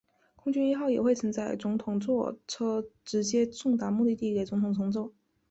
空军一号也会载运总统座车直接送达目的地给总统乘坐。